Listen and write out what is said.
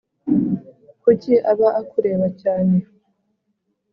kuki aba akureba cyane